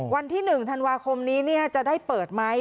อ๋อวันที่หนึ่งธันวาคมนี้เนี้ยจะได้เปิดไหม